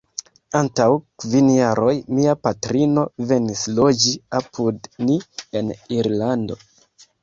Antaŭ kvin jaroj mia patrino venis loĝi apud ni en Irlando.